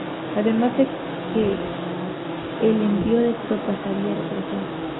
Además de que el envío de tropas se había retrasado.